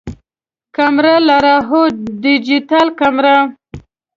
کمره لرئ؟ هو، ډیجیټل کمره